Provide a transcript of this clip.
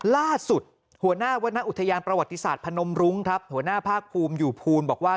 ล่าสุดหัวหน้าวรรณอุทยานประวัติศาสตร์พนมรุ้งครับหัวหน้าภาคภูมิอยู่ภูลบอกว่า